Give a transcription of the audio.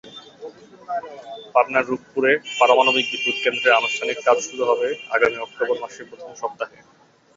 পাবনার রূপপুরে পারমাণবিক বিদ্যুৎকেন্দ্রের আনুষ্ঠানিক কাজ শুরু হবে আগামী অক্টোবর মাসের প্রথম সপ্তাহে।